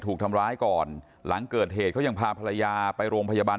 ถูกทำร้ายก่อนหลังเกิดเหตุเขายังพาภรรยาไปโรงพยาบาล